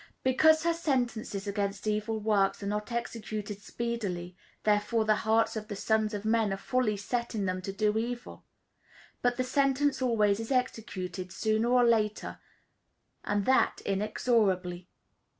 Because her sentences against evil works are not executed speedily, therefore the hearts of the sons of men are fully set in them to do evil. But the sentence always is executed, sooner or later, and that inexorably.